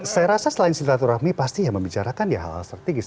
saya rasa selain silaturahmi pasti ya membicarakan ya hal hal strategis